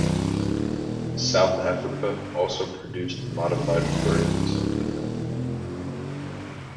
South Africa also produced modified versions of the gun.